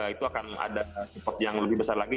itu akan ada support yang lebih besar lagi